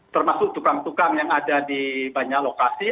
termasuk tukang tukang yang ada di banyak lokasi